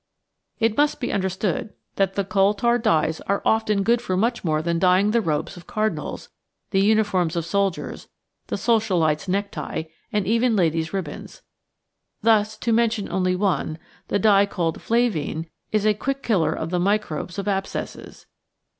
It must be understood that the coal tar dyes are often good for much more than dyeing the robes of cardinals, the uniforms of soldiers, the Socialist's necktie, and even ladies' ribbons. Thus, to mention only one, the dye called "flavine" is a quick killer of the microbes of abscesses.